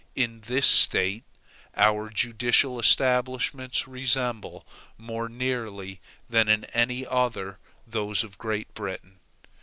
In this State, our judicial establishments resemble, more nearly than in any other, those of Great Britain.